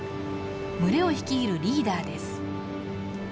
群れを率いるリーダーです。